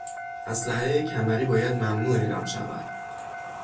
اسلحهی کمری باید ممنوع اعلام شود.